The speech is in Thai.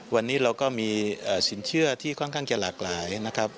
วันนี้เราก็มีสินเชื่อที่ค่อนข้างจะหลากหลายนะครับ